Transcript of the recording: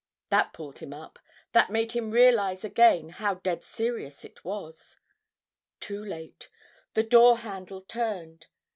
That pulled him up; that made him realize again how dead serious it was. Too late. The door handle turned.